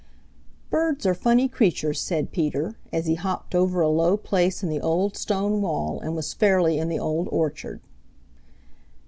"Birds are funny creatures," said Peter, as he hopped over a low place in the old stone wall and was fairly in the Old Orchard.